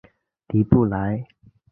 尼布莱。